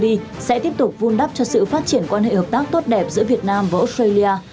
đại sứ robin moody sẽ tiếp tục vun đắp cho sự phát triển quan hệ hợp tác tốt đẹp giữa việt nam và australia